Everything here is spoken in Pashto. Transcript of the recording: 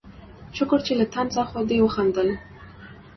شکر چې له طنزه خو دې وخندل